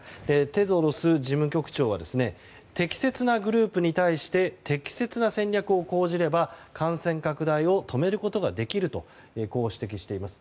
テドロス事務局長は適切なグループに対して適切な戦略を講じれば感染拡大を止めることができると指摘しています。